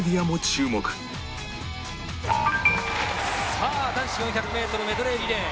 さあ男子４００メートルメドレーリレー。